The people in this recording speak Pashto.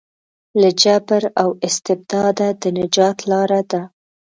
له جبر او استبداده د نجات لاره ده.